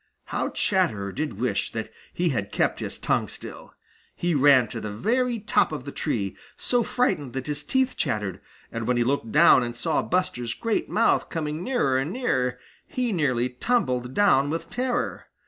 How Chatterer did wish that he had kept his tongue still! He ran to the very top of the tree, so frightened that his teeth chattered, and when he looked down and saw Buster's great mouth coming nearer and nearer, he nearly tumbled down with terror.